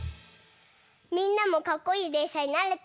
みんなもかっこいいでんしゃになれた？